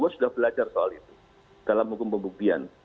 sudah belajar soal itu dalam hukum pembuktian